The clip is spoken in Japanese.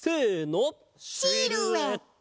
シルエット！